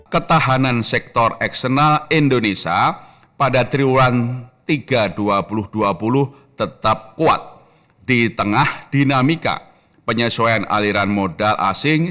ketahanan sektor eksternal indonesia pada triwulan tiga dua ribu dua puluh tetap kuat di tengah dinamika penyesuaian aliran modal asing